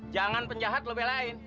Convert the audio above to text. jangan penjahat lo belain